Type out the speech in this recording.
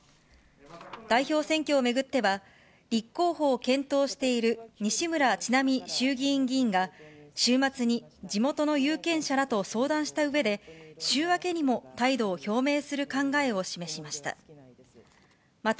代表選挙を巡っては、立候補を検討している西村智奈美衆議院議員が週末に地元の有権者らと相談したうえで、週明けにも態度を表明する考えを示しました。